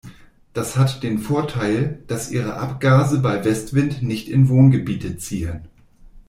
Das hat den Vorteil, dass ihre Abgase bei Westwind nicht in Wohngebiete ziehen.